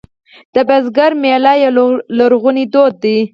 د بزګر میله یو لرغونی دود دی